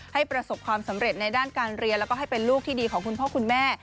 ประสบความสำเร็จในด้านการเรียนแล้วก็ให้เป็นลูกที่ดีของคุณพ่อคุณแม่